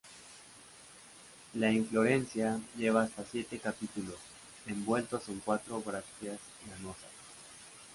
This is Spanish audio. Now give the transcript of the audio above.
La inflorescencia lleva hasta siete capítulos, envueltos en cuatro brácteas lanosas.